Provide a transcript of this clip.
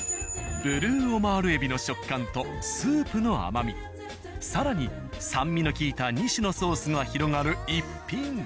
ブルーオマール海老の食感とスープの甘み更に酸味のきいた２種のソースが広がる一品。